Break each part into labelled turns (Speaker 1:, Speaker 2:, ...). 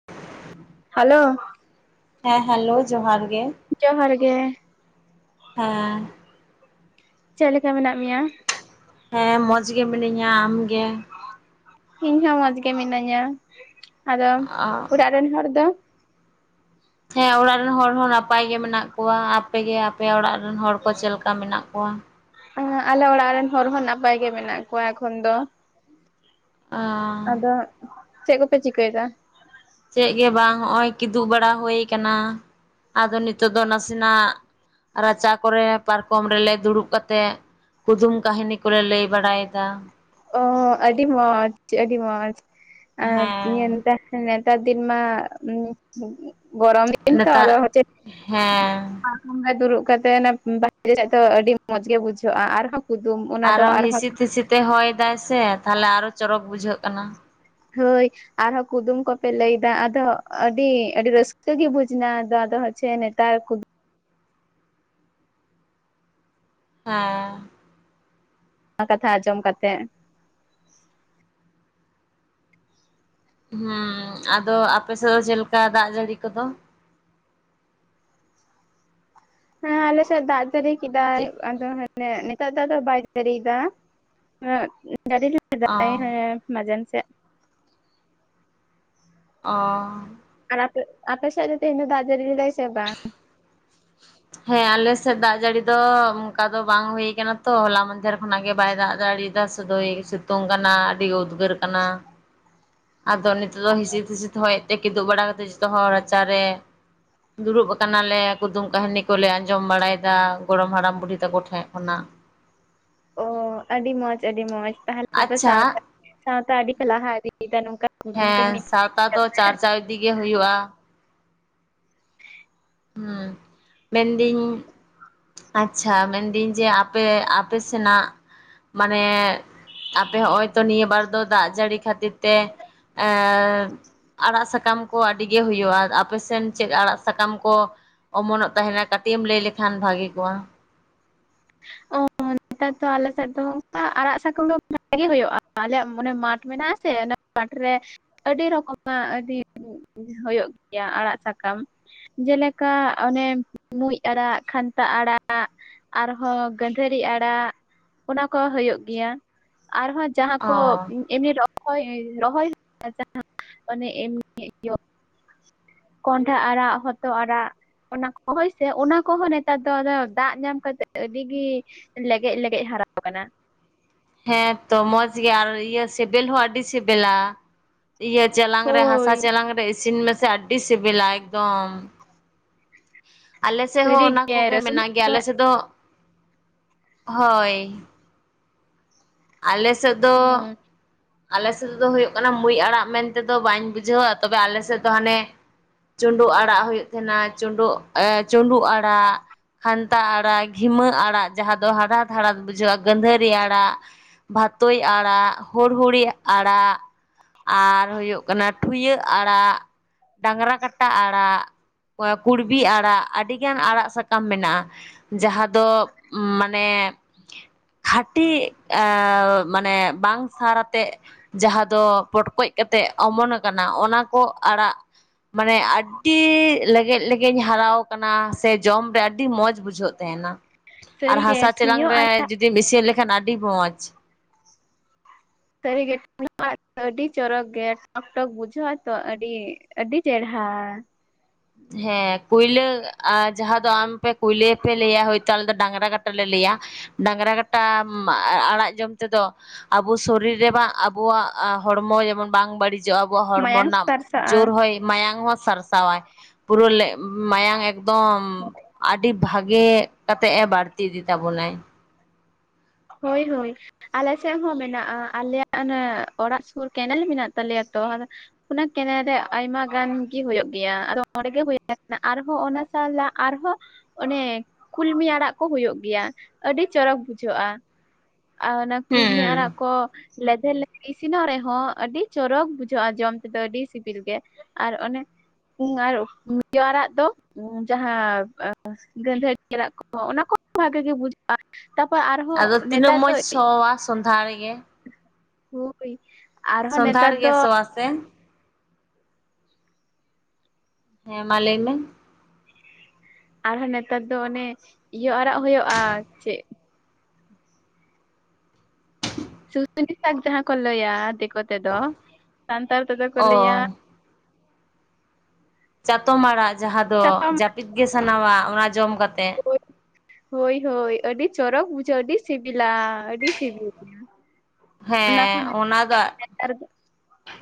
Speaker 1: [inaudible]
Speaker 2: Hello
Speaker 1: ᱦᱮᱸ hello ᱡᱚᱦᱟᱨ ᱜᱮ
Speaker 2: ᱡᱚᱦᱟᱨ ᱜᱮ
Speaker 1: ᱦᱮᱸ
Speaker 2: ᱪᱮᱫ ᱞᱮᱠᱟ ᱢᱮᱱᱟᱜ ᱢᱮᱭᱟ?
Speaker 1: ᱦᱮᱸ ᱢᱚᱡᱽ ᱜᱮ ᱢᱤᱱᱟᱹᱧᱟ ᱟᱢᱜᱮ?
Speaker 2: ᱤᱧ ᱦᱚᱸ ᱢᱚᱡᱽ ᱜᱮ ᱢᱤᱱᱟᱹᱧᱟ ᱟᱫᱚ ᱚᱲᱟᱜ ᱨᱤᱱ ᱦᱚᱲ ᱫᱚ?
Speaker 1: ᱦᱮᱸ ᱚᱲᱟᱜ ᱨᱤᱱ ᱦᱚᱲ ᱦᱚᱸ ᱱᱟᱯᱟᱭ ᱜᱮ ᱢᱮᱱᱟᱜ ᱠᱚᱣᱟ ᱟᱯᱮ ᱜᱮ ᱟᱯᱮ ᱚᱲᱟᱜ ᱨᱤᱱ ᱦᱚᱲ ᱠᱚ ᱪᱮᱫ ᱞᱮᱠᱟ ᱢᱮᱱᱟᱜ ᱠᱚᱣᱟ?
Speaker 2: ᱟᱞᱮ ᱚᱲᱟᱜ ᱨᱮᱱ ᱦᱚᱲ ᱦᱚᱸ ᱱᱟᱯᱟᱭ ᱜᱮ ᱢᱮᱱᱟᱜ ᱠᱚᱣᱟ ᱮᱠᱷᱚᱱ ᱫᱚ᱾
Speaker 1: ᱟ
Speaker 2: ᱟᱫᱚ ᱪᱮᱫ ᱠᱚᱯᱮ ᱪᱤᱠᱟᱹᱭᱮᱫᱟ?
Speaker 1: ᱪᱮᱫ ᱜᱮ ᱵᱟᱝ ᱦᱚᱸᱜᱼᱚᱭ ᱠᱤᱫᱩᱵ ᱵᱟᱲᱟ ᱦᱩᱭ ᱟᱠᱟᱱᱟ ᱟᱫᱚ ᱱᱤᱛᱚᱜ ᱫᱚ ᱱᱟᱥᱮᱱᱟᱜ ᱨᱟᱪᱟ ᱠᱚᱨᱮ ᱯᱟᱨᱠᱚᱢ ᱨᱮᱞᱮ ᱫᱩᱲᱩᱵ ᱠᱟᱛᱮᱜ ᱠᱩᱫᱩᱢ ᱠᱟᱹᱦᱱᱤ ᱠᱚᱞᱮ ᱞᱟᱹᱭ ᱵᱟᱲᱟᱭᱮᱫᱟ᱾
Speaker 2: ᱚ ᱟᱹᱰᱤ ᱢᱚᱡᱽ ᱟᱹᱰᱤ ᱢᱚᱡᱽ
Speaker 1: ᱦᱮᱸ
Speaker 2: [unintelligible] ᱱᱮᱛᱟᱨ ᱫᱤᱱ ᱢᱟ ᱜᱚᱨᱚᱢ ᱫᱤᱱ ᱫᱤᱱ ᱛᱚ
Speaker 1: ᱱᱮᱛᱟᱨ
Speaker 2: ᱟᱫᱚ ᱪᱮᱫ
Speaker 1: ᱦᱮᱸ
Speaker 2: ᱵᱚᱸᱜᱟ ᱫᱩᱲᱩᱵ ᱠᱟᱛᱮ ᱵ ᱫᱚ ᱟᱹᱰᱤ ᱢᱚᱸᱡᱽ ᱜᱮ ᱵᱩᱡᱷᱟᱹᱜᱼᱟ ᱟᱨᱦᱚᱸ ᱠᱩᱫᱩᱢ ᱚᱱᱟ ᱫᱚ ᱟᱨᱦᱚᱸ
Speaker 1: ᱛᱮ ᱦᱚᱭ ᱫᱟᱭ ᱥᱮ ᱛᱟᱦᱚᱞᱮ ᱟᱨᱚ ᱪᱚᱨᱚᱠ ᱵᱩᱡᱷᱟᱹᱜ ᱠᱟᱱᱟ᱾
Speaker 2: ᱦᱳᱭ ᱟᱨᱦᱚᱸ ᱠᱩᱫᱩᱢ ᱠᱚᱯᱮ ᱞᱟᱹᱭᱮᱫᱟ ᱟᱫᱚ ᱟᱹᱰᱤ ᱟᱹᱰᱤ ᱨᱟᱹᱥᱠᱟᱹ ᱜᱮ ᱵᱩᱡᱽ ᱮᱱᱟ ᱟᱫᱚ ᱟᱫᱚ ᱦᱚ ᱪᱷᱮ ᱱᱮᱛᱟᱨ ᱠᱩᱫᱩᱢ
Speaker 1: ᱦᱮᱸ
Speaker 2: ᱚᱱᱟ ᱠᱟᱛᱷᱟ ᱟᱸᱡᱚᱢ ᱠᱟᱛᱮᱜ
Speaker 1: ᱦᱮᱸ ᱟᱫᱚ ᱟᱯᱮᱥᱮᱫ ᱫᱚ ᱪᱮᱫ ᱞᱮᱠᱟ ᱫᱟᱜᱽ ᱡᱟᱹᱲᱤ ᱠᱚᱫᱚ?
Speaker 2: ᱦᱮᱸ ᱟᱞᱮᱥᱮᱫ ᱫᱟᱜᱽ ᱡᱟᱲᱤ ᱠᱮᱫᱟᱭ
Speaker 1: ᱪᱮᱫ
Speaker 2: ᱟᱫᱚ ᱦᱮᱸ ᱢᱟᱱᱮ ᱱᱮᱛᱟᱨ ᱫᱚ ᱟᱫᱚ ᱵᱟᱭ ᱡᱟᱨᱤᱭᱮᱫᱟ [unintelligible] [unintelligible]
Speaker 1: ᱚ
Speaker 2: ᱥᱮᱫᱟᱭ ᱦᱮᱸ ᱢᱟᱡᱮᱱ ᱥᱮᱫ ᱾
Speaker 1: ᱚ ᱾
Speaker 2: ᱟᱨ ᱟᱯᱮ, ᱟᱯᱮ ᱥᱮᱫ ᱫᱚ ᱛᱮᱦᱮᱧ ᱫᱟᱜ ᱡᱟᱨᱤ ᱞᱮᱫᱟᱭ ᱥᱮ ᱵᱟᱝ? [inaudible]
Speaker 1: ᱦᱮᱸ ᱟᱞᱮᱥᱮᱫ ᱫᱟᱜ ᱡᱟᱹᱲᱤ ᱫᱚ ᱚᱱᱠᱟ ᱫᱚ ᱵᱟᱝ ᱦᱩᱭ ᱟᱠᱟᱱᱟ ᱛᱚ, ᱦᱚᱞᱟ ᱢᱟᱫᱷᱮᱨ ᱠᱷᱚᱱᱟᱜ ᱜᱮ ᱵᱟᱭ ᱫᱟᱜ ᱡᱟᱲᱤ ᱪᱮᱫᱟᱜ ᱥᱩᱫᱩ ᱳᱭ ᱥᱤᱛᱩᱝ ᱠᱟᱱᱟ ᱟᱹᱰᱤ ᱩᱫᱽᱜᱟᱹᱨ ᱠᱟᱱᱟ ᱾
Speaker 2: [inaudible]
Speaker 1: ᱟᱫᱚ ᱱᱤᱛᱚᱜ ᱫᱚ ᱦᱤᱸᱥᱤᱫ ᱦᱤᱸᱥᱤᱫ ᱦᱚᱭᱮᱜ ᱛᱮ ᱠᱤᱫᱩᱵ ᱵᱟᱲᱟ ᱠᱟᱛᱮᱫ ᱡᱚᱛᱚ ᱦᱚᱲ ᱨᱟᱪᱟᱨᱮ ᱫᱩᱲᱩᱵ ᱟᱠᱟᱱᱟᱞᱮ ᱾ ᱠᱩᱫᱩᱢ ᱠᱟᱹᱦᱱᱤ ᱠᱚᱞᱮ ᱟᱸᱡᱚᱢ ᱵᱟᱲᱟᱭᱮᱫᱟ ᱜᱚᱲᱚᱢ ᱦᱟᱲᱟᱢ ᱵᱩᱰᱷᱤ ᱛᱟᱠᱚ ᱴᱷᱮᱡ ᱠᱷᱚᱱᱟᱜ ᱾
Speaker 2: ᱚ ᱟᱹᱰᱤ ᱢᱚᱸᱡᱽ ᱟᱹᱰᱤ ᱢᱚᱸᱡᱽ ᱛᱟᱦᱚᱞᱮ ᱟᱯᱮ
Speaker 1: ᱟᱪᱪᱷᱟ
Speaker 2: ᱥᱟᱶᱛᱟ ᱥᱟᱶᱛᱟ ᱟᱹᱰᱤᱯᱮ ᱞᱟᱦᱟ ᱤᱫᱤᱭᱮᱫᱟ ᱱᱚᱝᱠᱟ ᱠᱩᱫᱩᱢ
Speaker 1: ᱦᱮᱸ
Speaker 2: ᱠᱟᱹᱦᱱᱤ
Speaker 1: ᱥᱟᱶᱛᱟ ᱫᱚ
Speaker 2: ᱠᱟᱛᱮᱫ
Speaker 1: ᱪᱟᱨᱪᱟᱣ ᱤᱫᱤ ᱜᱮ ᱦᱩᱭᱩᱜᱼᱟ ᱾ ᱦᱩᱸ ᱢᱮᱱᱫᱟᱹᱧ ᱟᱪᱪᱷᱟ ᱢᱮᱱᱫᱟᱹᱧ ᱡᱮ ᱟᱯᱮ ᱟᱯᱮ ᱥᱮᱱᱟᱜ ᱢᱟᱱᱮ ᱟᱯᱮ ᱦᱚᱸᱜᱼᱚᱭ ᱛᱚ ᱱᱤᱭᱟᱹ ᱵᱟᱨ ᱫᱚ ᱫᱟᱜ ᱡᱟᱹᱲᱤ ᱠᱷᱟᱹᱛᱤᱨ ᱛᱮ ᱮᱸᱻᱫ ᱟᱲᱟᱜ ᱥᱟᱠᱟᱢ ᱠᱚ ᱟᱹᱰᱤ ᱜᱮ ᱦᱩᱭᱩᱜᱼᱟ ᱟᱯᱮᱥᱱ ᱪᱮᱫ ᱟᱲᱟᱜ ᱥᱟᱠᱟᱢ ᱠᱚ ᱚᱢᱚᱱᱚᱜ ᱛᱟᱦᱮᱱᱟ ᱠᱟᱹᱴᱤᱡ ᱮᱢ ᱞᱟᱹᱭ ᱞᱮᱠᱷᱟᱱ ᱵᱷᱟᱜᱤ ᱠᱚᱜᱼᱟ ᱾
Speaker 2: ᱚ ᱱᱮᱛᱟᱨ ᱫᱚ ᱟᱞᱮ ᱥᱮᱫ ᱫᱚ ᱚᱱᱠᱟ ᱟᱲᱟᱜ ᱥᱟᱠᱟᱢ ᱫᱚ ᱵᱷᱟᱜᱤ ᱦᱩᱭᱩᱜᱼᱟ ᱟᱞᱮᱭᱟᱜ ᱚᱱᱮ ᱢᱟᱴᱷ ᱢᱮᱱᱟᱜ-ᱟ ᱥᱮ ᱚᱱᱟ ᱢᱟᱴᱷ ᱨᱮ ᱟᱹᱰᱤ ᱨᱚᱠᱚᱢᱟᱜ ᱟᱹᱰᱤ ᱦᱳᱭᱳᱜ ᱜᱮᱭᱟ ᱟᱲᱟᱜ ᱥᱟᱠᱟᱢ ᱾ ᱡᱮᱞᱮᱠᱟ ᱚᱱᱮ ᱢᱩᱸᱡ ᱟᱲᱟᱜ, ᱠᱷᱟᱱᱛᱟ ᱟᱲᱟᱜ ᱟᱨᱦᱚᱸ ᱜᱟᱹᱫᱷᱟᱹᱨᱤ ᱟᱲᱟᱜ ᱚᱱᱟ ᱠᱚ ᱦᱩᱭᱩᱜ ᱜᱮᱭᱟ, ᱟᱨᱦᱚᱸ ᱡᱟᱦᱟᱸ ᱠᱚ
Speaker 1: ᱚ
Speaker 2: ᱮᱢᱱᱤ ᱨᱚᱦᱚᱭ [unintelligible] ᱮᱢᱱᱤ ᱠᱚᱸᱰᱷᱟ ᱟᱲᱟᱜ, ᱦᱚᱛᱚᱜ ᱟᱲᱟᱜ ᱾ ᱚᱱᱟ ᱠᱚ ᱦᱚᱳᱭ ᱥᱮ, ᱚᱱᱟ ᱠᱚᱦᱚᱸ ᱱᱮᱛᱟᱨ ᱫᱚ ᱫᱟᱜ ᱧᱟᱢ ᱠᱟᱛᱮ ᱟᱹᱰᱤ ᱜᱤ ᱞᱮᱜᱮᱡ ᱞᱮᱜᱮᱡ ᱦᱟᱨᱟ ᱟᱠᱟᱱᱟ ᱾
Speaker 1: ᱦᱮᱸ ᱛᱚ ᱢᱚᱸᱡᱽ ᱜᱮ ᱟᱨ ᱤᱭᱟᱹ ᱥᱤᱵᱤᱞ ᱦᱚᱸ ᱟᱹᱰᱤ ᱥᱤᱵᱮᱞᱟ ᱾ ᱤᱭᱟᱹ ᱪᱮᱞᱟᱝ ᱨᱮ ᱦᱟᱥᱟ
Speaker 2: ᱦᱳᱭ
Speaker 1: ᱪᱮᱞᱟᱝ ᱨᱮ ᱤᱥᱤᱱ ᱢᱮᱥᱮ ᱟᱹᱰᱤ ᱥᱤᱵᱤᱞᱟ ᱮᱠᱫᱚᱢ ᱾ ᱟᱞᱮ ᱥᱮᱫ ᱦᱚᱸ ᱚᱱᱟ
Speaker 2: ᱥᱟᱹᱨᱤᱜᱮ
Speaker 1: ᱠᱚᱜᱮ
Speaker 2: ᱨᱟᱹᱥᱩᱱ
Speaker 1: ᱢᱮᱱᱟᱜ ᱜᱮᱭᱟ, ᱟᱞᱮ ᱥᱮᱫ ᱫᱚ ᱦᱳᱭ ᱾ ᱟᱞᱮ ᱥᱮᱫ ᱫᱚ
Speaker 2: ᱦᱩᱸ
Speaker 1: ᱟᱞᱮ ᱥᱮᱫ ᱫᱚ ᱦᱩᱭᱩᱜ ᱠᱟᱱᱟ ᱢᱩᱡ ᱟᱲᱟᱜ ᱢᱮᱱ ᱛᱮᱫᱚ ᱵᱟᱹᱧ ᱵᱩᱡᱷᱟᱹᱣᱟ ᱛᱚᱵᱮ ᱟᱞᱮ ᱥᱮᱫ ᱫᱚ ᱦᱟᱱᱮ ᱪᱩᱸᱰᱩ ᱟᱲᱟᱜ ᱦᱩᱭᱩᱜ ᱛᱟᱦᱟᱱᱟ ᱪᱩᱸᱰᱩᱜ ᱮ ᱪᱩᱸᱰᱩ ᱟᱲᱟᱜ ᱾ ᱠᱷᱟᱱᱛᱟ ᱟᱲᱟᱜ, ᱜᱷᱤᱢᱟᱹ ᱟᱲᱟᱜ ᱡᱟᱦᱟᱸ ᱫᱚ ᱦᱟᱲᱦᱟᱛ ᱦᱟᱲᱦᱟᱛ ᱵᱩᱡᱷᱟᱹᱜᱼᱟ ᱜᱟᱹᱱᱫᱷᱟᱹᱨᱤ ᱟᱲᱟᱜ, ᱵᱷᱟᱛᱳᱭ ᱟᱲᱟᱜ ᱦᱚᱲ ᱦᱩᱲᱤᱭᱟᱹ ᱟᱲᱟᱜ, ᱟᱨ ᱦᱩᱭᱩᱜ ᱠᱟᱱᱟ ᱴᱷᱩᱭᱟᱹᱜ ᱟᱲᱟᱜ, ᱰᱟᱝᱨᱟ ᱠᱟᱴᱟ ᱟᱲᱟᱜ, ᱠᱩᱲᱵᱤ ᱟᱲᱟᱜ ᱟᱹᱰᱤᱜᱟᱱ ᱟᱲᱟᱜ ᱥᱟᱠᱟᱢ ᱢᱮᱱᱟᱜᱼᱟ ᱾ ᱡᱟᱦᱟᱸ ᱫᱚ ᱢᱟᱱᱮ ᱠᱷᱟᱴᱤ ᱮᱻ ᱢᱟᱱᱮ ᱵᱟᱝ ᱥᱟᱨ ᱟᱛᱮ ᱡᱟᱦᱟᱸ ᱫᱚ ᱯᱚᱴᱠᱚᱡ ᱠᱟᱛᱮᱜ ᱚᱢᱚᱱ ᱟᱠᱟᱱᱟ ᱚᱱᱟ ᱠᱚ ᱟᱲᱟᱜ ᱢᱟᱱᱮ ᱟᱰ ᱤ ᱞᱮᱜᱮᱡ ᱞᱮᱜᱮᱡ ᱮᱧ ᱦᱟᱨᱟᱣ ᱟᱠᱟᱱᱟ ᱥᱮ ᱡᱚᱢ ᱨᱮ ᱟᱹᱰᱤ ᱢᱚᱸᱡᱽ ᱵᱩᱡᱷᱟᱹᱜ ᱛᱟᱦᱮᱱᱟ ᱾ ᱟᱨ
Speaker 2: ᱥᱟᱹᱨᱤᱜᱮ
Speaker 1: ᱦᱟᱥᱟ ᱪᱮᱞᱟᱝ
Speaker 2: ᱴᱷᱩᱭᱳ
Speaker 1: ᱨᱮ
Speaker 2: ᱟᱲᱮ
Speaker 1: ᱡᱩᱫᱤᱢ ᱤᱥᱤᱱ ᱞᱮᱠᱷᱟᱱ ᱟᱹᱰᱤ ᱢᱚᱸᱡᱽ ᱾
Speaker 2: ᱥᱟᱹᱨᱤᱜᱮ [unintelligible] ᱟᱹᱰᱤ ᱪᱚᱨᱚᱠ ᱜᱮ ᱴᱚᱠ ᱴᱚᱠ ᱵᱩᱡᱷᱟᱹᱜᱼᱟ ᱛᱚ ᱟᱹᱰᱤ ᱟᱹᱰᱤ ᱪᱮᱨᱦᱟ ᱾
Speaker 1: ᱦᱮᱸ ᱠᱩᱭᱞᱟᱹ ᱟ ᱡᱟᱦᱟᱸ ᱫᱚ ᱟᱢᱯᱮ ᱠᱩᱭᱞᱟᱹ ᱯᱮ ᱞᱟᱹᱭᱟ ᱦᱚᱭᱛᱳ ᱟᱞᱮ ᱫᱚ ᱰᱟᱝᱨᱟ ᱠᱟᱴᱟ ᱞᱮ ᱞᱟᱹᱭᱟ ᱾ ᱰᱟᱝᱨᱟ ᱠᱟᱴᱟ ᱟᱲᱟᱜ ᱡᱚᱢ ᱛᱮᱫᱚ ᱟᱵᱚ ᱥᱚᱨᱤᱨ ᱨᱮ ᱵᱟ ᱟᱵᱚᱣᱟᱜ ᱦᱚᱲᱢᱚ ᱡᱮᱢᱚᱱ ᱵᱟᱝ ᱵᱟᱹᱲᱤᱡᱚᱜᱼᱟ ᱾ ᱟᱵᱚᱣᱟᱜ ᱦᱚᱲᱢᱚ
Speaker 2: ᱢᱟᱭᱟᱝ
Speaker 1: ᱨᱮᱱᱟᱜ
Speaker 2: ᱥᱟᱨᱥᱟᱜᱼᱟ
Speaker 1: ᱡᱳᱨ ᱦᱚᱭ ᱢᱟᱭᱟᱝ ᱦᱚᱸ ᱥᱟᱨᱥᱟᱣᱟᱭ ᱾ ᱯᱩᱨᱟᱹ ᱞᱮ ᱢᱟᱭᱟᱝ ᱮᱠᱫᱚᱢ ᱟᱹᱰᱤ ᱵᱷᱟᱜᱮ ᱠᱟᱛᱮᱜ-ᱮ ᱵᱟᱹᱲᱛᱤ ᱤᱫᱤ ᱛᱟᱵᱚᱱᱟᱭ
Speaker 2: ᱦᱳᱭ ᱦᱳᱭ ᱟᱞᱮ ᱥᱮᱱ ᱦᱚᱸ ᱢᱮᱱᱟᱜᱼᱟ ᱟᱞᱮᱭᱟᱜ ᱚᱱᱮ ᱚᱲᱟᱜ ᱥᱩᱨ ᱠᱮᱱᱮᱞ ᱢᱮᱱᱟᱜ ᱛᱟᱞᱮᱭᱟ ᱛᱚ ᱚᱱᱟ ᱠᱮᱱᱮᱞ ᱨᱮ ᱟᱭᱢᱟ ᱜᱟᱱᱜᱮ ᱦᱩᱭᱩᱜ ᱜᱮᱭᱟ ᱟᱫᱚ ᱚᱸᱰᱮᱜᱮ ᱦᱩᱭ ᱟᱠᱟᱱᱟ ᱟᱨᱦᱚᱸ ᱚᱱᱟ ᱥᱟᱞᱟᱜ ᱟᱨᱦᱚᱸ ᱚᱱᱮ ᱠᱩᱞᱢᱤ ᱟᱲᱟᱜ ᱠᱚ ᱦᱩᱭᱩᱜ ᱜᱮᱭᱟ ᱟᱹᱰᱤ ᱪᱚᱨᱚᱠ ᱵᱩᱡᱷᱟᱹᱜᱼᱟ ᱟᱨ ᱚᱱᱟ ᱠᱩᱞᱢᱤ ᱟᱲᱟᱜ
Speaker 1: ᱦᱮᱸ
Speaker 2: ᱠᱚ ᱞᱮᱫᱷᱮᱨ ᱞᱮᱫᱷᱮᱨ ᱤᱥᱤᱱᱚᱜ ᱨᱮᱦᱚᱸ ᱟᱹᱰᱤ ᱪᱚᱨᱚᱠ ᱵᱩᱡᱷᱟᱹᱜᱼᱟ ᱡᱚᱢ ᱛᱮᱫᱚ ᱟᱹᱰᱤ ᱥᱤᱵᱤᱞ ᱜᱮ ᱟᱨ ᱚᱱᱮ ᱟᱨ ᱢᱩᱱᱜᱟᱹ ᱟᱲᱟᱜ ᱫᱚ ᱩᱸ ᱡᱟᱦᱟᱸ ᱜᱟᱺᱫᱷᱟᱹᱨᱤ ᱟᱲᱟᱜ ᱠᱚᱸ ᱚᱱᱟ ᱠᱚᱦᱚᱸ ᱵᱷᱟᱹᱜᱤ ᱜᱮ ᱵᱩᱡᱷᱟᱹᱜ ᱟ, ᱛᱟᱯᱚᱨ
Speaker 1: ᱟᱫᱚ
Speaker 2: ᱟᱨᱦᱚᱸ
Speaker 1: ᱛᱤᱱᱟᱹᱜ
Speaker 2: ᱱᱮᱛᱟᱨ ᱫᱚ
Speaker 1: ᱢᱚᱡᱽ ᱥᱚᱣᱟ ᱥᱚᱸᱫᱷᱟᱲ ᱜᱮ
Speaker 2: [unintelligible] ᱟᱨᱦᱚᱸ ᱱᱮᱛᱟᱨ ᱫᱚ
Speaker 1: ᱥᱮᱱ ᱦᱮᱸ ᱢᱟ ᱞᱟᱹᱭ ᱢᱮ
Speaker 2: ᱟᱨᱦᱚᱸ ᱱᱮᱛᱟᱨ ᱫᱚ ᱚᱱᱮ ᱤᱭᱟᱹ ᱟᱲᱟᱜ ᱦᱩᱭᱩᱜᱼᱟ ᱪᱮᱫ ᱥᱩᱥᱩᱱᱤ ᱥᱟᱠ ᱡᱟᱦᱟᱸ ᱠᱚ ᱞᱟᱹᱭᱟ ᱫᱤᱠᱩ ᱛᱮᱫᱚ, ᱥᱟᱱᱛᱟᱲ ᱛᱮᱫᱚ ᱠᱚ ᱞᱟᱹᱭᱟ
Speaker 1: ᱚ ᱪᱟᱛᱚᱢ ᱟᱲᱟᱜ ᱡᱟᱦᱟᱸ ᱫᱚ
Speaker 2: ᱪᱟᱛᱚᱢ
Speaker 1: ᱡᱟᱹᱯᱤᱫ ᱜᱮ ᱥᱟᱱᱟᱣᱟ ᱚᱱᱟ ᱡᱚᱢ ᱠᱟᱛᱮᱜ
Speaker 2: ᱦᱳᱭ, ᱦᱳᱭ ᱦᱳᱭ ᱟᱹᱰᱤ ᱪᱚᱨᱚᱠ ᱵᱩᱡᱷᱟᱹᱜᱼᱟ ᱟᱹᱰᱤ ᱥᱤᱵᱤᱞᱟ ᱟᱹᱰᱤ ᱥᱤᱵᱤᱞ᱾
Speaker 1: ᱦᱮᱸ ᱚᱱᱟ ᱫᱚ
Speaker 2: ᱟᱨ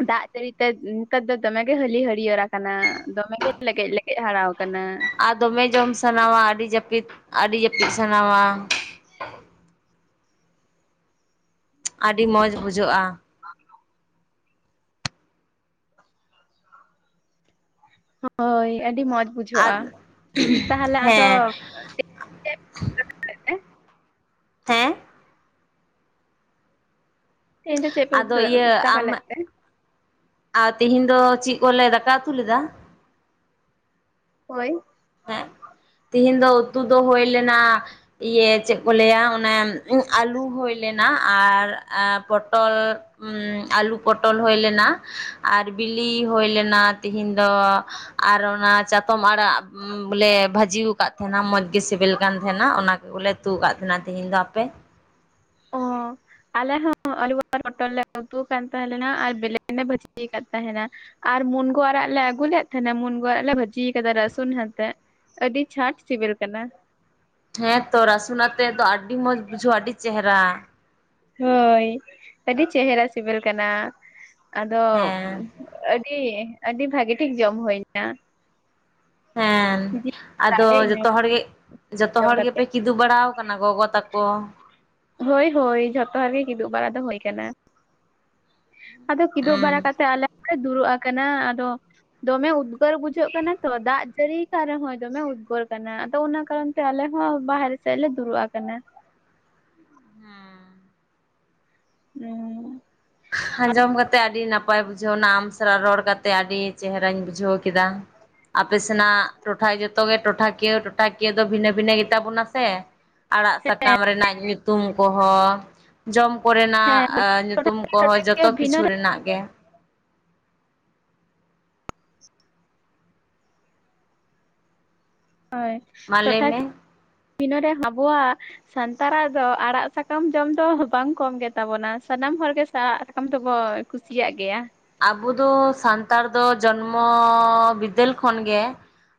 Speaker 2: ᱫᱟᱜ ᱡᱟᱹᱲᱤᱛᱮ ᱱᱮᱛᱟᱨ ᱫᱚ ᱫᱚᱢᱮᱜᱮ ᱦᱟᱹᱞᱤ ᱦᱟᱹᱨᱭᱟᱹᱲ ᱟᱠᱟᱱᱟ ᱫᱚᱢᱮ ᱜᱮ ᱞᱮᱜᱮᱡ ᱞᱮᱜᱮᱡ ᱦᱟᱨᱟᱣᱟᱠᱟᱱᱟ᱾
Speaker 1: ᱟᱨ ᱫᱚᱢᱮ ᱡᱚᱢ ᱥᱟᱱᱟᱣᱟ ᱟᱹᱰᱤ ᱡᱟᱹᱯᱤᱫ ᱟᱹᱰᱤ ᱡᱟᱹᱯᱤᱫ ᱥᱟᱱᱟᱣᱟ᱾ ᱟᱹᱰᱤ ᱢᱚᱡᱽ ᱵᱩᱡᱷᱟᱹᱜᱼᱟ
Speaker 2: [unintelligible] ᱦᱳᱭ ᱟᱹᱰᱤ ᱢᱚᱸᱡᱽ
Speaker 1: ᱟᱨ
Speaker 2: ᱵᱩᱡᱷᱟᱹᱜᱼᱟ ᱛᱟᱦᱞᱮ ᱟᱫᱚ
Speaker 1: ᱦᱮᱸ
Speaker 2: [unintelligible]
Speaker 1: ᱦᱮᱸ?
Speaker 2: ᱛᱮᱦᱮᱧ ᱫᱚ ᱪᱮᱫ ᱯᱮ
Speaker 1: ᱟᱫᱚ
Speaker 2: ᱩᱛᱩᱫᱟ ᱩᱛᱩ ᱫᱟᱠᱟ ᱞᱮᱫ ᱛᱮ
Speaker 1: ᱟ, ᱛᱤᱦᱤᱧ ᱫᱚ ᱪᱤᱜ ᱠᱚᱞᱮ ᱫᱟᱠᱟ ᱩᱛᱩ ᱞᱮᱫᱟ?
Speaker 2: ᱦᱳᱭ᱾
Speaker 1: ᱦᱮᱸ ᱛᱤᱦᱤᱧ ᱫᱚ ᱩᱛᱩ ᱫᱚ ᱦᱩᱭ ᱞᱮᱱᱟ ᱤᱭᱟᱹ ᱪᱮᱫ ᱠᱚ ᱞᱟᱹᱭᱟ ᱚᱱᱮ ᱟᱹᱞᱩ ᱦᱩᱭ ᱞᱮᱱᱟ ᱟᱨ ᱮᱸ ᱯᱚᱴᱚᱞ ᱩᱸᱻ ᱟᱞᱩ ᱯᱚᱴᱚᱞ ᱦᱩᱭ ᱞᱮᱱᱟ ᱟᱨ ᱵᱤᱞᱤ ᱦᱩᱭ ᱞᱮᱱᱟ ᱛᱤᱦᱤᱧ ᱫᱚ᱾ ᱟᱨ ᱚᱱᱟ ᱪᱟᱛᱚᱢ ᱟᱲᱟᱜ ᱵᱚᱞᱮ ᱵᱷᱟᱹᱡᱤᱣᱟᱠᱟᱫ ᱛᱟᱦᱮᱱᱟ ᱢᱚᱸᱡᱽ ᱜᱮ ᱥᱤᱵᱤᱞ ᱠᱟᱱ ᱛᱟᱦᱮᱱᱟ ᱚᱱᱟ ᱠᱚᱜᱮᱞᱮ ᱩᱛᱩ ᱟᱠᱟᱫ ᱛᱟᱦᱮᱱᱟ ᱛᱤᱦᱤᱧ ᱫᱚ᱾ ᱟᱯᱮ?
Speaker 2: ᱚ᱾ ᱟᱞᱮ ᱦᱚᱸ ᱟᱞᱩ ᱟᱨ ᱢᱚᱴᱚᱨᱞᱮ ᱩᱛᱩᱣᱟᱠᱟᱱ ᱛᱟᱦᱮᱸᱞᱮᱱᱟ ᱟᱨ ᱵᱮᱞᱮ ᱞᱮ ᱵᱷᱟᱹᱡᱤᱭ ᱟᱠᱟᱫ ᱛᱟᱦᱮᱱᱟ᱾ ᱟᱨ ᱢᱩᱱᱜᱳ ᱟᱲᱟᱜ ᱞᱮ ᱟᱹᱜᱩ ᱞᱮᱫ ᱛᱟᱸᱦᱮᱱᱟ ᱢᱩᱱᱜᱳ ᱟᱲᱟ ᱞᱮ ᱵᱷᱟᱹᱡᱤ ᱠᱟᱫᱟ ᱨᱟᱹᱥᱩᱱ ᱦᱟᱛᱮᱜ᱾ ᱟᱹᱰᱤ ᱪᱷᱟᱸᱴ ᱥᱤᱵᱤᱞ ᱠᱟᱱᱟ᱾
Speaker 1: ᱦᱮᱸᱛᱚ ᱨᱟᱹᱥᱩᱱ ᱟᱛᱮᱫ ᱫᱚ ᱟᱹᱰᱤ ᱢᱚᱸᱡᱽ ᱵᱩᱡᱷᱟᱹᱜ ᱟᱹᱰᱤ ᱪᱮᱦᱨᱟ᱾
Speaker 2: ᱦᱳᱭ, ᱟᱹᱰᱤ ᱪᱮᱦᱨᱟ ᱥᱤᱵᱤᱞ ᱠᱟᱱᱟ ᱟᱫᱚ
Speaker 1: ᱦᱮᱸ
Speaker 2: ᱟ [unintelligible] ᱟᱹᱰᱤ ᱵᱷᱟᱜᱮ ᱴᱷᱤᱠ ᱡᱚᱢ ᱦᱩᱭ ᱮᱱᱟ᱾
Speaker 1: ᱦᱮᱸ,
Speaker 2: ᱠᱚ
Speaker 1: ᱟᱫᱚ
Speaker 2: ᱨᱟᱲᱮᱡ ᱮᱱᱟ
Speaker 1: ᱡᱚᱛᱚ ᱦᱚᱲ ᱜᱮ ᱡᱚᱛᱚ
Speaker 2: ᱡᱚᱢ
Speaker 1: ᱦᱚᱲ
Speaker 2: ᱠᱟᱛᱮ
Speaker 1: ᱜᱮᱯᱮ ᱠᱤᱫᱩᱵ ᱵᱟᱲᱟᱣᱟᱠᱟᱱᱟ ᱜᱚᱜᱚ ᱛᱟᱠᱚ?
Speaker 2: ᱦᱳᱭ ᱦᱳᱭ, ᱡᱷᱚᱛᱚ ᱦᱚᱲ ᱜᱮ ᱠᱤᱫᱩᱵ ᱵᱟᱲᱟ ᱫᱚ ᱦᱳᱭ ᱠᱟᱱᱟ᱾ ᱟᱫᱚ ᱠᱤᱫᱩᱵ
Speaker 1: ᱦᱩᱸ
Speaker 2: ᱵᱟᱲᱟ ᱠᱟᱛᱮ ᱟᱞᱮ ᱦᱚᱸᱞᱮ ᱫᱩᱲᱩᱵ ᱟᱠᱟᱱᱟ, ᱟᱫᱚ ᱫᱚᱢᱮ ᱩᱫᱽᱜᱟᱹᱨ ᱵᱩᱡᱷᱟᱹᱜ ᱠᱟᱱᱟ ᱛᱚ, ᱫᱟᱜ ᱡᱟᱹᱲᱤ ᱠᱟᱜ ᱨᱮᱦᱚᱸᱭ ᱫᱚᱢᱮ ᱩᱫᱽᱜᱟᱹᱨ ᱠᱟᱱᱟ᱾ ᱟᱫᱚ ᱚᱱᱟ ᱠᱟᱨᱚᱱ ᱛᱮ ᱟᱞᱮ ᱦᱚᱸ ᱵᱟᱦᱨᱮ ᱥᱮᱫ ᱞᱮ ᱫᱩᱲᱩᱵ ᱟᱠᱟᱱᱟ᱾ ᱦᱩᱸ᱾
Speaker 1: ᱟᱸᱡᱚᱢ ᱠᱟᱛᱮ ᱟᱹᱰᱤ ᱱᱟᱯᱟᱭ ᱵᱩᱡᱷᱟᱹᱣᱱᱟ, ᱟᱢ ᱥᱟᱞᱟᱜ ᱨᱚᱲ ᱠᱟᱛᱮ ᱟᱹᱰᱤ ᱪᱮᱦᱨᱟᱧ ᱵᱩᱡᱷᱟᱹᱣ ᱠᱮᱫᱟ᱾ ᱟᱯᱮ ᱥᱮᱱᱟᱜ ᱴᱚᱴᱷᱟ ᱡᱚᱛᱚ ᱜᱮ ᱴᱚᱴᱷᱟᱠᱤᱭᱟᱹ ᱴᱚᱴᱷᱟᱠᱤᱭᱟᱹ ᱫᱚ ᱵᱷᱤᱱᱟᱹ ᱵᱷᱤᱱᱟᱹ ᱜᱮ ᱛᱟᱵᱚᱱᱟ ᱥᱮ ᱟᱲᱟᱜ ᱥᱟᱠᱟᱢ ᱨᱮᱱᱟᱜ ᱧᱩᱛᱩᱢ ᱠᱚᱦᱚᱸ ᱡᱚᱢ ᱠᱚᱨᱮᱱᱟᱜ
Speaker 2: ᱦᱮᱸ
Speaker 1: ᱧᱩᱛᱩᱢ ᱠᱚᱦᱚᱸ,
Speaker 2: ᱴᱚᱴᱷᱟᱠᱤᱭᱟᱹ
Speaker 1: ᱡᱚᱛᱚ
Speaker 2: ᱵᱷᱤᱱᱟᱹ
Speaker 1: ᱠᱤᱪᱷᱩ
Speaker 2: ᱨᱮ
Speaker 1: ᱨᱮᱱᱟᱜ ᱜᱮ ᱾
Speaker 2: ᱦᱳᱭ,
Speaker 1: ᱢᱟ ᱞᱟᱹᱭ ᱢᱮ᱾
Speaker 2: ᱴᱚᱴᱷᱟᱠᱤᱭᱟ [inaudible] ᱟᱵᱚᱣᱟᱜ ᱥᱟᱱᱛᱟᱲᱟᱜ ᱫᱚ ᱟᱲᱟᱜ ᱥᱟᱠᱟᱢ ᱡᱚᱢ ᱫᱚ ᱵᱟᱝ ᱠᱚᱢ ᱜᱮᱛᱟᱵᱚᱱᱟ, ᱥᱟᱱᱟᱢ ᱦᱚᱲᱜᱮ ᱟᱲᱟᱜ ᱥᱟᱠᱟᱢ ᱫᱚᱵᱚ ᱠᱩᱥᱤᱭᱟᱜ ᱜᱮᱭᱟ ᱾
Speaker 1: ᱟᱵᱚ ᱫᱚ ᱥᱟᱱᱛᱟᱲ ᱫᱚ ᱡᱚᱱᱢᱚ ᱵᱤᱫᱟᱹᱞ ᱠᱷᱚᱱᱜᱮ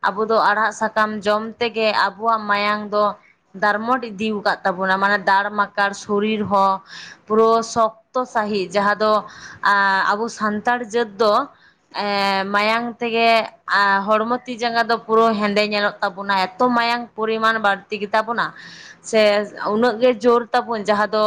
Speaker 1: ᱟᱵᱚ ᱫᱚ ᱟᱲᱦᱟᱜ ᱥᱟᱠᱟᱢ ᱡᱚᱢ ᱛᱮᱜᱮ ᱟᱵᱚᱣᱟᱜ ᱢᱟᱭᱟᱝ ᱫᱚ ᱫᱟᱨᱢᱚᱴ ᱤᱫᱤᱣ ᱟᱠᱟᱫ ᱛᱟᱵᱚᱱᱟ ᱾ ᱢᱟᱱᱮ ᱫᱟᱲ ᱢᱟᱠᱟᱲ ᱥᱚᱨᱤᱨ ᱦᱚᱸ ᱯᱩᱨᱟᱹ ᱥᱚᱠᱛᱚ ᱥᱟᱺᱦᱤᱡ ᱡᱟᱦᱟᱸ ᱫᱚ ᱟᱵᱚ ᱥᱟᱱᱛᱟᱲ ᱡᱟᱹᱛ ᱫᱚ ᱮᱸ ᱢᱟᱭᱟᱝ ᱛᱮᱜᱮ ᱦᱚᱲᱢᱚ ᱛᱤ ᱡᱟᱸᱜᱟ ᱫᱚ ᱯᱩᱨᱟᱹ ᱦᱮᱸᱫᱮ ᱧᱮᱞᱚᱜ ᱛᱟᱵᱚᱱᱟ, ᱮᱛᱚ ᱢᱟᱭᱟᱝ ᱯᱚᱨᱤᱢᱟᱱ ᱵᱟᱹᱲᱛᱤ ᱜᱮᱛᱟᱵᱚᱱᱟ ᱥᱮ ᱩᱱᱟᱹᱜ ᱜᱮ ᱡᱳᱨ ᱛᱟᱵᱚᱱ ᱡᱟᱦᱟᱸ ᱫᱚ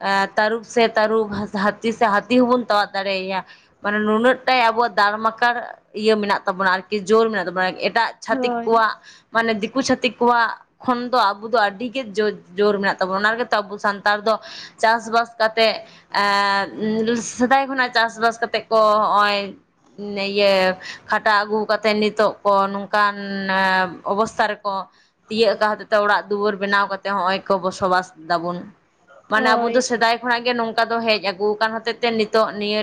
Speaker 1: ᱮ ᱛᱟᱹᱨᱩᱯ ᱥᱮ ᱛᱟᱹᱨᱩᱵ, ᱦᱟᱹᱛᱤ ᱥᱮ ᱦᱟᱹᱛᱤ ᱦᱚᱸᱵᱚᱱ ᱛᱟᱣᱟ ᱫᱟᱲᱮᱭᱭᱟ ᱾ ᱢᱟᱱᱮ ᱱᱩᱱᱟᱹᱜ ᱴᱟ ᱟᱵᱚᱣᱟᱜ ᱫᱟᱲᱢᱟᱠᱟᱲ ᱤᱭᱟᱹ ᱢᱮᱱᱟᱜ ᱛᱟᱵᱚᱱᱟ, ᱟᱨᱠᱤ ᱡᱳᱨ ᱢᱮᱱᱟᱜ ᱛᱟᱵᱚᱱᱟ ᱟᱨ ᱮᱴᱟᱜ ᱪᱷᱟᱹᱛᱤᱠ
Speaker 2: ᱦᱳᱭ
Speaker 1: ᱠᱚᱣᱟᱜ ᱢᱟᱱᱮ ᱫᱤᱠᱩ ᱪᱷᱟᱹᱛᱤᱠ ᱠᱚᱣᱟᱜ ᱠᱷᱚᱱ ᱫᱚ ᱟᱵᱚ ᱫᱚ ᱟᱹᱰᱤ ᱜᱮ ᱡᱳᱨ ᱡᱳᱨ ᱢᱮᱱᱟᱜ ᱛᱟᱵᱚᱱᱟ ᱾ ᱚᱱᱟ ᱜᱮᱛᱚ ᱟᱵᱚ ᱥᱟᱱᱛᱟᱲ ᱫᱚ ᱪᱟᱥᱵᱟᱥ ᱠᱟᱛᱮᱜ, ᱮᱸ ᱥᱮᱫᱟᱭ ᱠᱷᱚᱱᱟᱜ ᱪᱟᱥᱵᱟᱥ ᱠᱟᱛᱮ ᱠᱚ ᱱᱚᱜᱼᱚᱭ ᱤᱭᱟᱹ ᱠᱷᱟᱴᱟᱣ ᱟᱹᱜᱩ ᱠᱟᱛᱮᱜ ᱱᱤᱛᱚᱜ ᱠᱚ ᱱᱚᱝᱠᱟᱱ ᱚᱵᱚᱥᱛᱷᱟ ᱨᱮᱠᱚ ᱛᱤᱭᱟᱹᱜ ᱠᱟᱜ ᱦᱚᱛᱮ ᱛᱮ ᱚᱲᱟᱜ ᱫᱩᱣᱟᱹᱨ ᱵᱮᱱᱟᱣ ᱠᱟᱛᱮ ᱦᱚᱸᱜᱼᱚᱭ ᱠᱚ ᱵᱚᱥᱚᱵᱟᱥ ᱫᱟᱵᱚᱱ ᱾ ᱢᱟᱱᱮ ᱟᱵᱚ
Speaker 2: ᱦᱳᱭ
Speaker 1: ᱫᱚ ᱥᱮᱫᱟᱭ ᱠᱷᱚᱱᱟᱜ ᱜᱮ ᱱᱚᱝᱠᱟ ᱫᱚ ᱦᱮᱡ ᱟᱹᱜᱩ ᱟᱠᱟᱱ ᱦᱚᱛᱮᱡ ᱛᱮ ᱱᱤᱛᱚᱜ ᱱᱤᱭᱟᱹ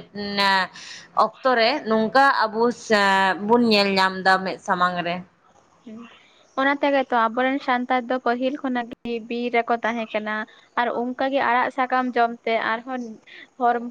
Speaker 1: ᱚᱠᱛᱚ ᱨᱮ ᱱᱚᱝᱠᱟ ᱟᱵᱚ ᱥᱮ ᱵᱩᱱ ᱧᱮᱞ ᱧᱟᱢ ᱮᱫᱟ ᱢᱮᱫ ᱥᱟᱢᱟᱝ ᱨᱮ ᱾
Speaker 2: ᱚᱱᱟ ᱛᱮᱜᱮ ᱛᱚ ᱟᱵᱚᱨᱮᱱ ᱥᱟᱱᱛᱟᱲ ᱫᱚ ᱯᱟᱹᱦᱤᱞ ᱠᱷᱚᱱᱟᱜ ᱜᱮ ᱵᱤᱨ ᱨᱮᱠᱚ ᱛᱟᱦᱮᱸ ᱠᱟᱱᱟ ᱾ ᱟᱨ ᱚᱱᱠᱟ ᱜᱮ ᱟᱲᱟᱜ ᱥᱟᱠᱟᱢ ᱡᱚᱢ ᱛᱮ ᱟᱨᱦᱚᱸ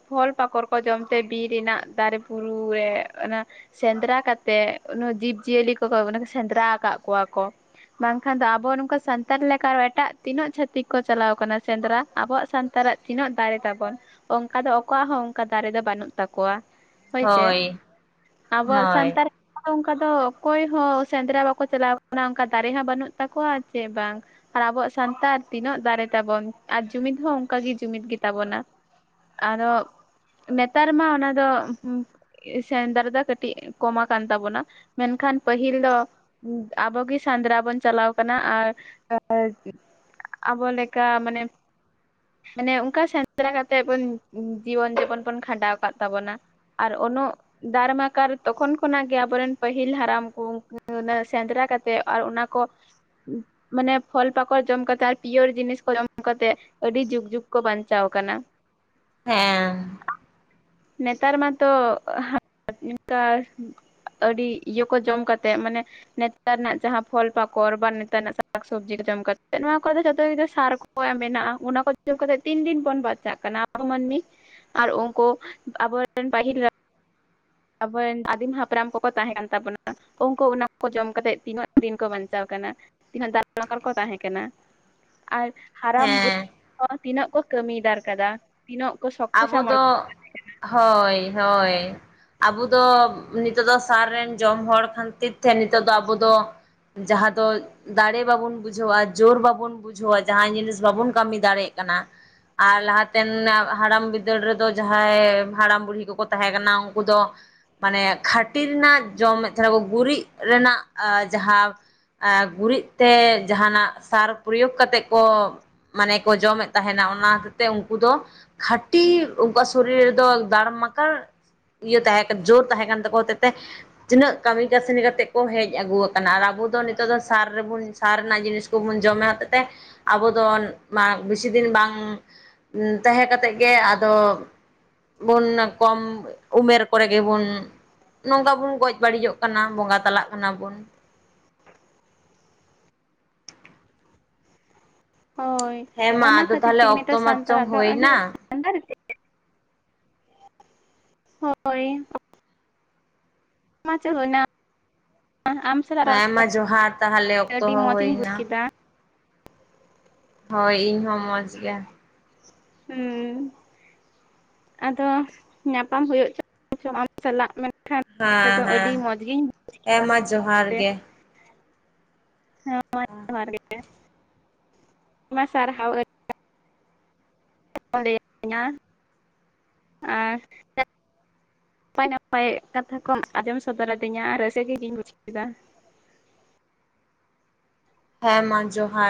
Speaker 2: ᱯᱷᱚᱞ ᱯᱟᱠᱚᱲ ᱠᱚ ᱡᱚᱢ ᱛᱮ ᱵᱤᱨ ᱨᱮᱱᱟᱜ ᱫᱟᱨᱮ ᱵᱩᱨᱩᱨᱮ ᱚᱱᱟ ᱥᱮᱸᱫᱽᱨᱟ ᱠᱟᱛᱮᱜ ᱡᱤᱵᱽᱼᱡᱤᱭᱟᱹᱞᱤ ᱠᱚᱮ ᱥᱮᱸᱫᱽᱨᱟ ᱟᱠᱟᱜ ᱠᱚᱣᱟ ᱠᱚ ᱾ ᱵᱟᱝᱠᱷᱟᱱ ᱫᱚ ᱟᱵᱚ ᱱᱚᱝᱠᱟ ᱥᱟᱱᱛᱟᱲ ᱞᱮᱠᱟ ᱮᱴᱟᱜ ᱛᱤᱱᱟᱹᱜ ᱪᱷᱟᱛᱤᱠ ᱠᱚ ᱪᱟᱞᱟᱣ ᱟᱠᱟᱱᱟ ᱥᱮᱸᱫᱽᱨᱟ ᱟᱵᱚᱣᱟᱜ ᱥᱟᱱᱛᱟᱲᱟᱜ ᱾ ᱛᱤᱱᱟᱹᱜ ᱫᱟᱨᱮ ᱛᱟᱵᱚᱱ ᱚᱱᱠᱟ ᱫᱚ ᱚᱠᱚᱣᱟᱜ ᱦᱚᱸ ᱚᱱᱠᱟ ᱫᱟᱨᱮ ᱫᱚ ᱵᱟᱹᱱᱩᱜ ᱛᱟᱠᱚᱣᱟ ᱾ ᱦᱳᱭ ᱥᱮ, ᱟᱵᱚᱣᱟᱜ
Speaker 1: ᱦᱳᱭ
Speaker 2: ᱥᱟᱱᱛᱟᱲ ᱚᱱᱠᱟ ᱫᱚ ᱚᱠᱚᱭ ᱦᱚᱸ ᱥᱮᱸᱫᱽᱨᱟ ᱵᱟᱠᱚ ᱪᱟᱞᱟᱣ ᱠᱟᱱᱟ, ᱚᱱᱠᱟ ᱫᱟᱨᱮ ᱦᱚᱸ ᱵᱟᱹᱱᱩᱜ ᱛᱟᱠᱚᱣᱟ ᱪᱮ ᱵᱟᱝ ᱾ ᱟᱨ ᱟᱵᱚᱣᱟᱜ ᱥᱟᱱᱛᱟᱲ ᱛᱤᱱᱟᱹᱜ ᱫᱟᱨᱮ ᱛᱟᱵᱚᱱ ᱟᱨ ᱡᱩᱢᱤᱫ ᱦᱚᱸ ᱚᱱᱠᱟ ᱜᱮ ᱡᱩᱢᱤᱫ ᱜᱮ ᱛᱟᱵᱚᱱᱟ ᱾ ᱟᱨᱚ ᱱᱮᱛᱟᱨ ᱢᱟ ᱚᱱᱟ ᱫᱚ ᱥᱮᱸᱫᱽᱨᱟ ᱫᱚ ᱠᱟᱹᱴᱤᱡ ᱠᱚᱢᱟ ᱟᱠᱟᱱ ᱛᱟᱵᱚᱱᱟ ᱢᱮᱱᱠᱷᱟᱱ ᱯᱟᱹᱦᱤᱞ ᱫᱚ ᱟᱵᱚᱜᱮ ᱥᱮᱸᱫᱽᱨᱟ ᱵᱚᱱ ᱪᱟᱞᱟᱣ ᱠᱟᱱᱟ ᱟᱨ [inaudible] ᱟᱵᱚ ᱞᱮᱠᱟ ᱢᱟᱱᱮ [unintelligible] ᱢᱟᱱᱮ ᱚᱱᱠᱟ ᱥᱮᱸᱫᱽᱨᱟ ᱠᱟᱛᱮᱜ ᱵᱩᱱ ᱡᱤᱵᱚᱱ ᱡᱟᱯᱚᱱ ᱵᱚᱱ ᱠᱷᱟᱸᱰᱟᱣ ᱟᱠᱟᱟᱜ ᱛᱟᱵᱚᱱᱟ ᱟᱨ ᱩᱱᱟᱹᱜ ᱫᱟᱨᱢᱟᱠᱟᱲ ᱛᱚᱠᱷᱚᱱ ᱠᱷᱚᱱᱟᱜ ᱜᱮ ᱟᱵᱚᱨᱮᱱ ᱯᱟᱹᱦᱤᱞ ᱦᱟᱲᱟᱢ ᱠᱚ ᱥᱮᱸᱫᱽᱨᱟ ᱠᱟᱛᱮᱮᱫ ᱟᱨ ᱚᱱᱟ ᱠᱚ ᱢᱟᱱᱮ ᱯᱷᱚᱞ ᱯᱟᱠᱚᱲ ᱡᱚᱢ ᱠᱟᱛᱮᱜ ᱟᱨ ᱯᱤᱭᱳᱨ ᱡᱤᱱᱤᱥ ᱠᱚ ᱡᱚᱢ ᱠᱟᱛᱮᱜ ᱟᱹᱰᱤ ᱡᱩᱜᱽ ᱡᱩᱜᱽ ᱠᱚ ᱵᱟᱧᱪᱟᱣ ᱟᱠᱟᱱᱟ
Speaker 1: ᱦᱮᱸ
Speaker 2: [inaudible] ᱱᱮᱛᱟᱨ ᱢᱟᱛᱚ ᱦᱟᱜ ᱤᱱᱠᱟᱨ ᱟᱹᱰᱤ ᱤᱭᱟᱹ ᱠᱚ ᱡᱚᱢ ᱠᱟᱛᱮᱼᱼ ᱛᱮ ᱢᱟᱱᱮ ᱱᱮᱛᱟᱨ ᱨᱮᱱᱟᱜ ᱡᱟᱦᱟᱸ ᱯᱷᱚᱞ ᱯᱟᱠᱚᱲ ᱵᱟ ᱱᱮᱛᱟᱨ ᱨᱮᱱᱟᱜ ᱥᱟᱠᱥᱚᱵᱡᱤ ᱠᱚ ᱡᱚᱢ ᱠᱟᱛᱮᱮᱫ ᱱᱚᱣᱟ ᱠᱚᱫᱚ ᱡᱚᱛᱚ ᱜ ᱥᱟᱨ ᱠᱚ ᱚ ᱢᱮᱱᱟᱜᱼᱟ ᱚᱱᱟ ᱠᱚ ᱡᱚᱢ ᱠᱟᱛᱮᱮᱫ ᱛᱤᱱ ᱫᱤᱱ ᱵᱚᱱ ᱵᱟᱧᱪᱟᱜ ᱠᱟᱱᱟ ᱟᱵᱚ ᱢᱟᱹᱱᱢᱤ ᱟᱨ ᱩᱱᱠᱩ ᱟᱵᱚᱨ ᱨᱮᱱ ᱯᱟᱹᱦᱤᱞ ᱟᱵᱚ ᱨᱮᱱ ᱟᱫᱤᱢ ᱦᱟᱯᱨᱟᱢ ᱠᱚᱠᱚ ᱛᱟᱦᱮᱸ ᱠᱟᱱ ᱛᱟᱵᱚᱱᱟ ᱩᱱᱠᱩ ᱚᱱᱟ ᱠᱚ ᱡᱚᱢ ᱠᱟᱛᱮᱮᱫ ᱛᱤᱱᱟᱹᱜ ᱫᱤᱱ ᱠᱚ ᱵᱟᱧᱪᱟᱣ ᱠᱟᱱᱟ ᱛᱤᱱᱟᱹᱜ ᱫᱟᱨᱢᱟᱠᱚᱲ ᱠᱚ ᱛᱟᱦᱮᱸ ᱠᱟᱱᱟ ᱟᱨ ᱦᱟᱲᱟᱢ [unintelligible]
Speaker 1: ᱦᱮᱸ
Speaker 2: ᱵᱩᱲᱦᱤ ᱛᱤᱱᱟᱹᱜ ᱠᱚ ᱠᱟᱹᱢᱤᱭᱤᱫᱟᱨ ᱠᱟᱫᱟ ᱛᱤᱱᱟᱹᱜ ᱠᱚ ᱥ
Speaker 1: ᱟᱵᱚ ᱫᱚ ᱦᱳᱭ ᱦᱳᱭ ᱟᱵᱚ ᱫᱚ ᱱᱤᱛᱚᱜ ᱫᱚ ᱥᱟᱨ ᱨᱮᱱ ᱡᱚᱢ ᱦᱚᱲ ᱠᱷᱟᱹᱛᱤᱨ ᱛᱮ ᱱᱤᱛᱚᱜ ᱫᱚ ᱟᱵᱚ ᱫᱚ ᱡᱟᱦᱟᱸ ᱫᱚ ᱫᱟᱲᱮ ᱵᱟᱵᱚᱱ ᱵᱩᱡᱷᱟᱹᱣᱟ᱾ ᱡᱳᱨ ᱵᱟᱵᱚᱱ ᱵᱩᱡᱷᱟᱹᱣᱟ᱾ ᱡᱟᱦᱟᱸ ᱡᱤᱱᱤᱥ ᱵᱟᱵᱚᱱ ᱠᱟᱹᱢᱤ ᱫᱟᱲᱮᱭᱟᱜ ᱠᱟᱱᱟ᱾ ᱟᱨ ᱞᱟᱦᱟᱛᱮᱱ ᱦᱟᱲᱟᱢ ᱵᱤᱫᱟᱹᱞ ᱨᱮᱫᱚ ᱡᱟᱦᱟᱸᱭ ᱦᱟᱲᱟᱢ ᱵᱩᱲᱦᱤ ᱠᱚᱠᱚ ᱛᱟᱦᱮᱸ ᱠᱟᱱᱟ ᱩᱱᱠᱩ ᱫᱚ ᱢᱟᱱᱮ ᱠᱷᱟᱹᱴᱤ ᱨᱮᱱᱟᱜ ᱡᱚᱢᱮᱫ ᱛᱟᱦᱮᱱᱟ ᱠᱚ ᱜᱩᱨᱤᱡ ᱨᱮᱱᱟᱜᱼᱟ ᱡᱟᱦᱟᱸ ᱟᱨ ᱜᱩᱨᱤᱡ ᱛᱮ ᱡᱟᱦᱟᱱᱟᱜ ᱥᱟᱨ ᱯᱚᱨᱚᱭᱳᱜᱽ ᱠᱟᱛᱮᱮᱫ ᱠᱚ ᱢᱟᱱᱮ ᱠᱚ ᱡᱚᱢᱮᱫ ᱛᱟᱦᱮᱱᱟ ᱚᱱᱟ ᱦᱚᱛᱮᱫ ᱛᱮ ᱩᱱᱠᱩ ᱫᱚ ᱠᱷᱟᱹᱴᱤ ᱩᱱᱠᱩᱣᱟᱜ ᱥᱚᱨᱤᱨ ᱨᱮᱫᱚ ᱫᱷᱟᱲᱢᱟᱠᱟᱲ ᱤᱭᱟᱹ ᱛᱟᱦᱮᱸᱠᱟᱱ ᱡᱳᱨ ᱛᱟᱦᱮ ᱠᱟᱱ ᱛᱟᱠᱚ ᱦᱚᱛᱮᱫ ᱛᱮ ᱛᱤᱱᱟᱹᱜ ᱠᱟᱹᱢᱤ ᱠᱟᱹᱥᱱᱤ ᱠᱟᱛᱮ ᱠᱚ ᱦᱮᱡ ᱟᱹᱜᱩ ᱟᱠᱟᱱᱟ ᱟᱨ ᱟᱵᱚ ᱫᱚ ᱱᱤᱛᱚᱜ ᱫᱚ ᱥᱟᱨ ᱨᱮᱵᱚᱱ ᱥᱟᱨ ᱨᱮᱱᱟᱜ ᱡᱤᱱᱤᱥ ᱠᱚᱵᱚᱱ ᱡᱚᱢᱮᱫ ᱦᱚᱛᱮᱡ ᱛᱮ ᱟᱵᱚ ᱫᱚ ᱵᱮᱥᱤ ᱫᱤᱱ ᱵᱟᱝ ᱛᱟᱦᱮᱸ ᱠᱟᱛᱮᱜ ᱜᱮ ᱟᱫᱚ ᱵᱚᱱ ᱠᱚᱢ ᱩᱢᱮᱨ ᱠᱚᱨᱮ ᱜᱮᱵᱚᱱ ᱱᱚᱝᱠᱟ ᱵᱚᱱ ᱜᱚᱡ ᱵᱟᱹᱲᱤᱡᱚᱜ ᱠᱟᱱᱟ ᱵᱚᱸᱜᱟ ᱛᱟᱞᱟᱜ ᱠᱟᱱᱟ ᱵᱚᱱ᱾
Speaker 2: ᱦᱳᱭ
Speaker 1: ᱦᱮᱸ ᱢᱟ
Speaker 2: ᱚᱱᱟ
Speaker 1: ᱟᱫᱚ
Speaker 2: ᱠᱷᱟᱹᱛᱤᱨ
Speaker 1: ᱛᱟᱦᱚᱞᱮ
Speaker 2: ᱛᱮᱜᱮ
Speaker 1: ᱚᱠᱛᱚ
Speaker 2: ᱱᱤᱛᱚᱜ
Speaker 1: ᱢᱟᱪᱚᱝ
Speaker 2: ᱥᱟᱱᱛᱟᱲᱟᱜ ᱫᱚ ᱟᱹᱰᱤ
Speaker 1: ᱦᱩᱭᱱᱟ
Speaker 2: ᱥᱟᱱᱛᱟᱲᱤ ᱦᱳᱭ ᱢᱟᱥ [unintelligible] ᱦᱩᱭᱱᱟ ᱥᱟᱞᱟᱜ ᱨᱚᱲ
Speaker 1: ᱦᱮᱸ ᱢᱟ ᱡᱚᱦᱟᱨ ᱛᱟᱦᱚᱞᱮ
Speaker 2: ᱠᱟᱛᱮ
Speaker 1: ᱚᱠᱛᱚ
Speaker 2: ᱟᱹᱰᱤ
Speaker 1: ᱦᱚᱸ
Speaker 2: ᱢᱚᱸᱡᱽ ᱤᱧ ᱵᱩᱡ
Speaker 1: ᱦᱩᱭᱱᱟ᱾
Speaker 2: ᱠᱮᱫᱟ
Speaker 1: ᱦᱳᱭ ᱤᱧ ᱦᱚᱸ ᱢᱚᱸᱡᱽ ᱜᱮᱭᱟ
Speaker 2: ᱦᱮᱸ ᱟᱫᱚ ᱧᱟᱯᱟᱢ ᱦᱩᱭᱩᱜ ᱪᱚ [unintelligible] ᱪᱚᱝ ᱟᱢ ᱥᱟᱞᱟᱜ ᱢᱮ
Speaker 1: ᱦᱮᱸ ᱦᱮᱸ ᱦᱮᱸᱢᱟ ᱡᱚᱦᱟᱨ ᱜᱮ᱾
Speaker 2: ᱦᱮᱸ ᱢᱟ ᱡᱚᱦᱟᱨ ᱜᱮ [unintelligible] ᱢᱟ ᱥᱟᱨ ᱞᱟᱹᱭᱤᱧᱟ [unintelligible] ᱟᱨ ᱱᱟᱯᱟᱭ ᱱᱟᱯᱟᱭ ᱠᱟᱛᱷᱟ ᱠᱚᱢ ᱟᱸᱡᱚᱢ ᱥᱚᱫᱚᱨᱟᱫᱤᱧᱟ ᱟᱨ ᱨᱟᱹᱥᱠ ᱜᱮᱤᱧ ᱵᱩᱡᱷᱟᱹᱣᱮᱫᱟ᱾
Speaker 1: ᱦᱮᱸ ᱢᱟ ᱡᱚᱦᱟᱨ